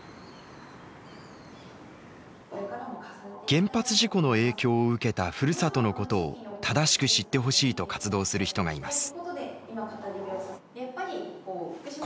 原発事故の影響を受けたふるさとのことを正しく知ってほしいと活動する人がいます。